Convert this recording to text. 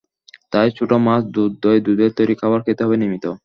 তাই ছোট মাছ, দুধ, দই, দুধের তৈরি খাবার খেতে হবে নিয়মিত।